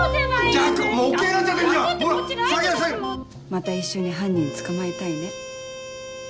また一緒に犯人捕まえたいね。